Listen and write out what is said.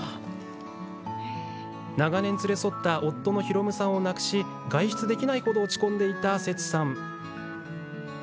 長年連れ添った夫の弘さんを亡くし外出できないほど落ち込んでいたセツさん。